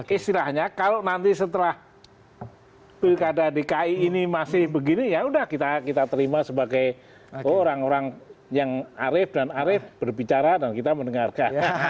istilahnya kalau nanti setelah berikada di ki ini masih begini yaudah kita terima sebagai orang orang yang arif dan arif berbicara dan kita mendengarkan